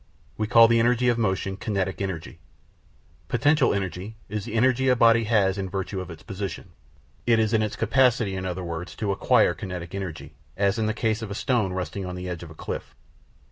We call the energy of motion kinetic energy. Potential energy is the energy a body has in virtue of its position it is its capacity, in other words, to acquire kinetic energy, as in the case of a stone resting on the edge of a cliff.